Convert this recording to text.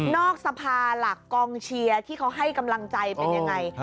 สภาหลักกองเชียร์ที่เขาให้กำลังใจเป็นยังไง